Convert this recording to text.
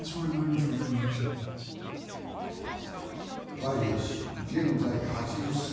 バイデン氏は現在８０歳。